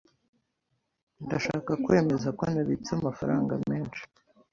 Ndashaka kwemeza ko nabitse amafaranga menshi.